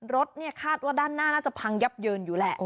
รถเนี่ยคาดว่าด้านหน้าน่าจะพังยับเยินอยู่แหละ